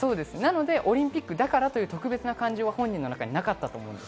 オリンピックだからという特別感はなかったと思います。